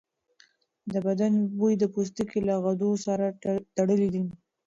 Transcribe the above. د بدن بوی د پوستکي له غدو سره تړلی دی.